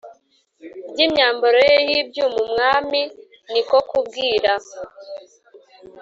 ry imyambaro ye y ibyuma Umwami ni ko kubwira